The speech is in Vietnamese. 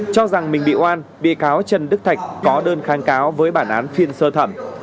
cho rằng mình bị oan bị cáo trần đức thạch có đơn kháng cáo với bản án phiên sơ thẩm